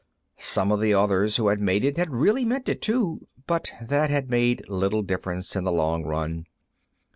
Some of the others who had made it had really meant it, too, but that had made little difference in the long run.